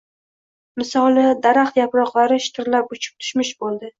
Misoli, daraxt yaproqlari shitirlab uchib tushmish bo‘ldi.